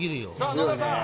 野田さん。